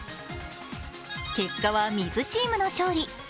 結果は、みずチームの勝利。